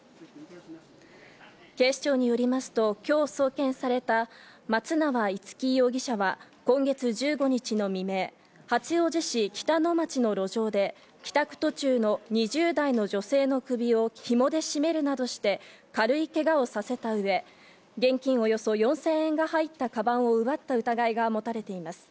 警視庁によりますと、きょう送検された松縄樹容疑者は、今月１５日の未明、八王子市北野町の路上で、帰宅途中の２０代の女性の首をひもで絞めるなどして、軽いけがをさせたうえ、現金およそ４０００円が入ったかばんを奪った疑いが持たれています。